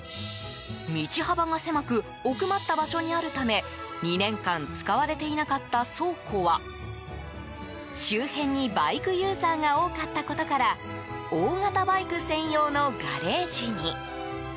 道幅が狭く奥まった場所にあるため２年間使われていなかった倉庫は周辺にバイクユーザーが多かったことから大型バイク専用のガレージに。